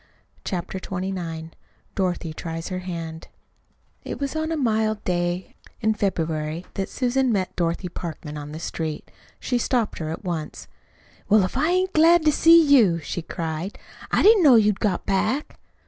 CHAPTER XXIX DOROTHY TRIES HER HAND It was on a mild day early in February that Susan met Dorothy Parkman on the street. She stopped her at once. "Well, if I ain't glad to see you!" she cried. "I didn't know you'd got back."